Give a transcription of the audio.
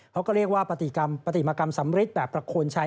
เขาก็เรียกว่าปฏิมากรรมสำริทแบบประโคนชัย